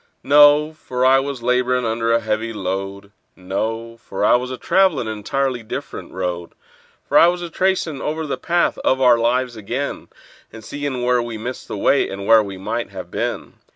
No—for I was laborin' under a heavy load; No—for I was travelin' an entirely different road; For I was a tracin' over the path of our lives ag'in, And seein' where we missed the way, and where we might have been.